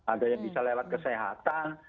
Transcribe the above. ada yang bisa lewat kesehatan